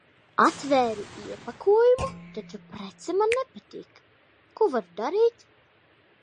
Atvēru iepakojumu, taču prece man nepatīk. Ko varu darīt?